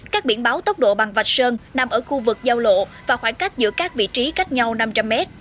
các biển báo tốc độ bằng vạch sơn nằm ở khu vực giao lộ và khoảng cách giữa các vị trí cách nhau năm trăm linh m